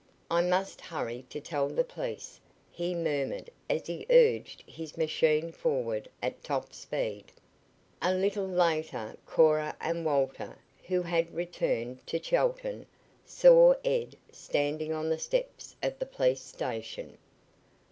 "I must hurry to tell the police," he murmured as he urged his machine forward at top speed. A little later Cora and Walter, who had returned to Chelton, saw Ed standing on the steps of the police station.